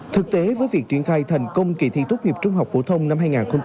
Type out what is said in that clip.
thực tế với việc triển khai thành công kỳ thi tốt nghiệp trung học phổ thông năm hai nghìn hai mươi